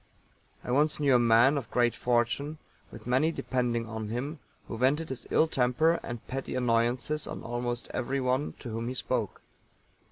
I once knew a man of great fortune, with many depending on him, who vented his ill temper and petty annoyances on almost everyone to whom he spoke.